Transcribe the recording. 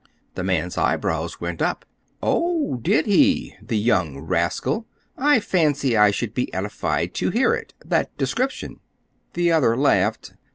The man's eyebrows went up. "Oh, did he? The young rascal! I fancy I should be edified to hear it—that description." The other laughed.